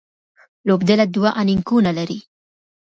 لوبډله دوه انینګونه لري.